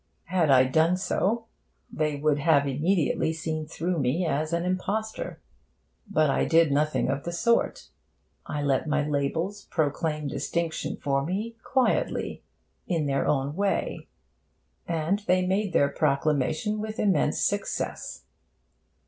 Had I done so, they would have immediately seen through me as an impostor. But I did nothing of the sort. I let my labels proclaim distinction for me, quietly, in their own way. And they made their proclamation with immense success.